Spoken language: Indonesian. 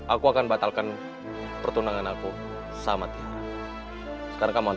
aku akan menyerahkan bayi ini